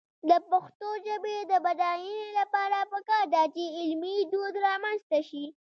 د پښتو ژبې د بډاینې لپاره پکار ده چې علمي دود رامنځته شي.